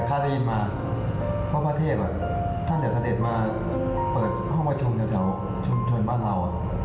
แต่ข้าได้ยินมาว่าพระเทพฯท่านจะเสร็จมาเปิดห้องประชุมเฉียวชุมชนบ้านเรา